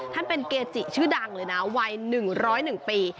ท่านเป็นเกจิชื่อดังเลยนะวัย๑๐๑ปี